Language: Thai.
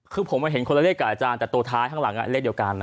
คือผมเห็นคนละเลขกับอาจารย์แต่ตัวท้ายข้างหลังเลขเดียวกันนะ